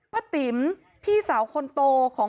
ป้าติ๋มพี่สาวคนโต